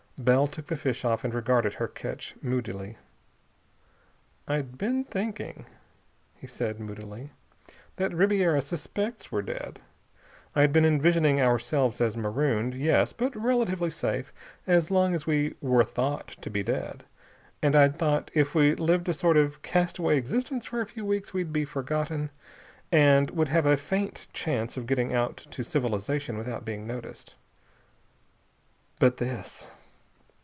Bell took the fish off and regarded her catch moodily. "I'd been thinking," he said moodily, "that Ribiera suspects we're dead. I'd been envisioning ourselves as marooned, yes, but relatively safe as long as we were thought to be dead. And I'd thought that if we lived a sort of castaway existence for a few weeks we'd be forgotten, and would have a faint chance of getting out to civilization without being noticed. But this...."